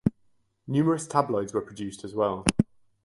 Numerous tabloids were produced as well.